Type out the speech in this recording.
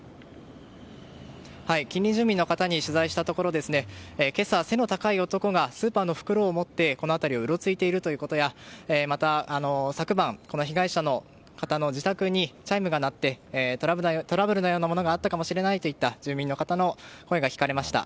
近隣住民の方に取材したところ今朝、背の高い男がスーパーの袋を持ってこの辺りをうろついていることやまた昨晩、被害者の方の自宅にチャイムが鳴ってトラブルなようなものがあったかもしれないという住民の方の声が聞かれました。